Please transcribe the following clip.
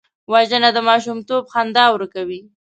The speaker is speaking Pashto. وژنه د ماشومتوب خندا ورکوي